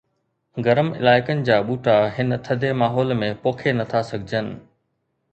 گرم علائقن جا ٻوٽا هن ٿڌي ماحول ۾ پوکي نٿا سگهن